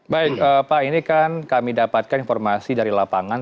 baik pak ini kan kami dapatkan informasi dari lapangan